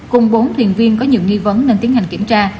cùng bốn thuyền viên có nhiều nghi vấn nên tiến hành kiểm tra